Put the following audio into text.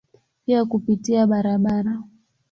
Pia kupitia barabara.